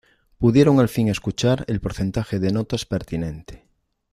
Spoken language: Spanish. Pudieron al fin escuchar el porcentaje de notas pertinente.